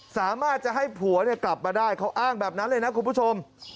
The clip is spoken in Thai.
สามารถจะให้ผัวกลับมาได้เขาอ้างแบบนั้นเลยนะคุณผู้ชม